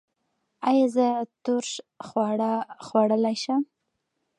ایا زه ترش خواړه خوړلی شم؟